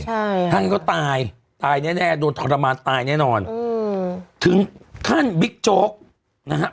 ใช่ท่านก็ตายตายแน่แน่โดนทรมานตายแน่นอนอืมถึงขั้นบิ๊กโจ๊กนะฮะ